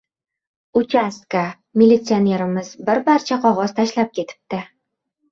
Uchastka militsionerimiz bir parcha qog‘oz tashlab ketibdi.